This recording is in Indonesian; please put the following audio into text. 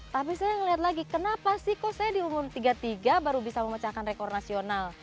tapi saya melihat lagi kenapa sih kok saya di umur tiga puluh tiga baru bisa memecahkan rekor nasional